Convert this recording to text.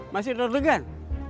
masih udah deg degan